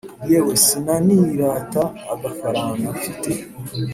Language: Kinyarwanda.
Yewe sinanirata agafaranga mfite